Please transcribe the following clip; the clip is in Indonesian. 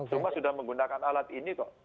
cuma sudah menggunakan alat ini kok